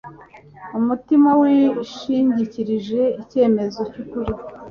umutima wishingikirije icyemezo cy'ukuri